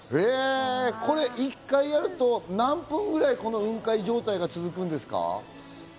これ１回やると何分ぐらい雲海状態が続くんですか？